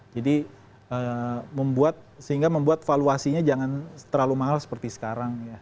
jadi membuat sehingga membuat valuasinya jangan terlalu mahal seperti sekarang ya